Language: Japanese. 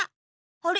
あれ？